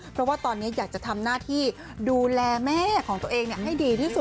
เพราะว่าตอนนี้อยากจะทำหน้าที่ดูแลแม่ของตัวเองให้ดีที่สุด